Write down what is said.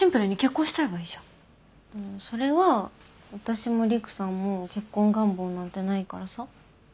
それは私も陸さんも結婚願望なんてないからさ。